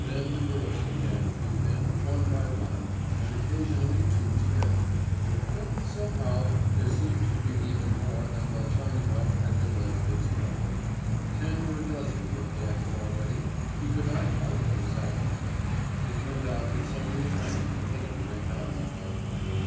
Then the girls began to troop in, one by one and occasionally two together. But, somehow, there seemed to be even more than Velchaninoff had been led to expect; ten or a dozen were collected already—he could not count them exactly. It turned out that some were friends from the neighbouring houses.